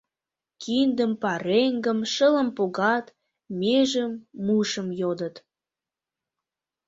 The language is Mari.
Киндым, пареҥгым, шылым погат, межым, мушым йодыт.